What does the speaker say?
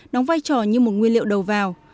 nóng vai trò như một nguyên liệu đầu vào